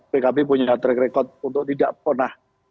pkb punya track record untuk tidak pernah